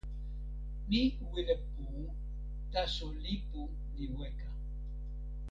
mi wile pu, taso lipu li weka.